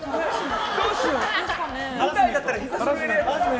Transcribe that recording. どうしよう。